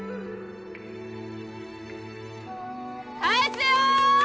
返すよ！